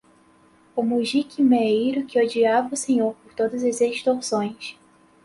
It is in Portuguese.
o mujique meeiro que odiava o senhor por todas as extorsões